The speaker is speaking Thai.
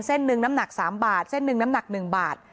เส้นหนึ่งน้ำหนัก๓บาทเส้นหนึ่งน้ำหนัก๑บาท